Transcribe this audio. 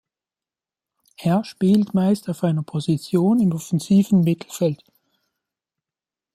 Er spielt meist auf einer Position im offensiven Mittelfeld.